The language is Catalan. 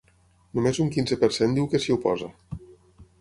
Només un quinze per cent diu que s’hi oposa.